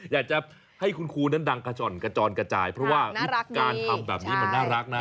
อยากจะให้คุณครูนั้นดังกระจ่อนกระจอนกระจายเพราะว่าการทำแบบนี้มันน่ารักนะ